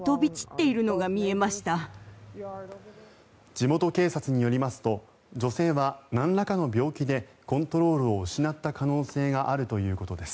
地元警察によりますと女性はなんらかの病気でコントロールを失った可能性があるということです。